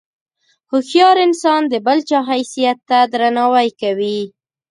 هوښیار انسان د بل چا حیثیت ته درناوی کوي.